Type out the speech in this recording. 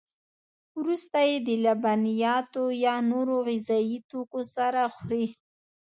وروسته یې د لبنیاتو یا نورو غذایي توکو سره خوري.